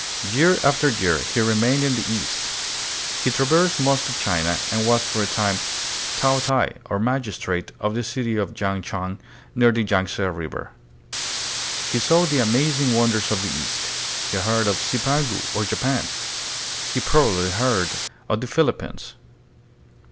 Year after year he remained in the East. He traversed most of China, and was for a time "taotai," or magistrate, of the city of Yang Chan near the Yangtze River. He saw the amazing wonders of the East. He heard of "Zipangu," or Japan. He probably heard of the Philippines.